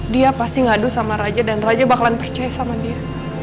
dia pasti ngadu sama raja dan raja bakalan percaya sama dia